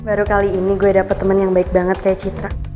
baru kali ini gue dapet temen yang baik banget kayak citra